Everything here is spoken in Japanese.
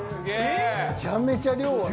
めちゃめちゃ量ある。